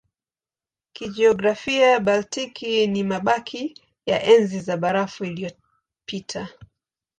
Kijiografia Baltiki ni mabaki ya Enzi ya Barafu iliyopita.